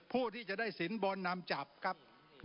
ผู้ที่จะได้สินบนนำจับครับ